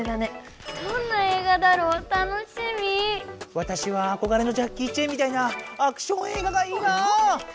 わたしはあこがれのジャッキー・チェンみたいなアクション映画がいいな。